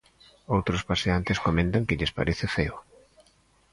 Outros paseantes comentan que lles parece feo.